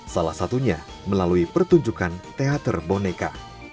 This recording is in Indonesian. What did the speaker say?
salah satunya melalui pertunjukan teater boneka